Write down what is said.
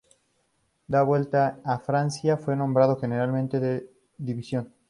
De vuelta a Francia fue nombrado general de división.